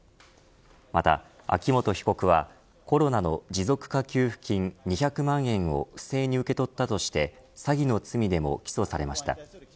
また、秋本被告はコロナの持続化給付金２００万円を不正に受け取ったとして詐欺の罪でも起訴されました。